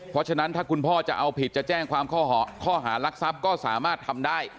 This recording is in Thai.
เพราะฉะนั้นถ้าคุณพ่อจะเอาผิดจะแจ้งความข้อหารักทรัพย์ก็สามารถทำได้